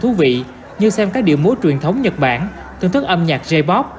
thú vị như xem các điểm mối truyền thống nhật bản thưởng thức âm nhạc j pop